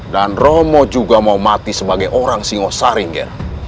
dan romo juga mau mati sebagai orang singosari nger